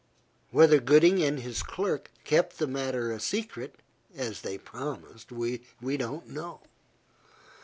Whether Gooding and his clerk kept the matter a secret, as they promised, we don't know.